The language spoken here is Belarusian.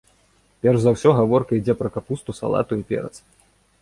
Перш за ўсё гаворка ідзе пра капусту, салату і перац.